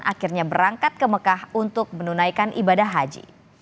akhirnya berangkat ke mekah untuk menunaikan ibadah haji